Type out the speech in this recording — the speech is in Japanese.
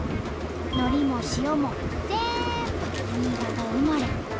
のりも塩もぜんぶ新潟生まれ。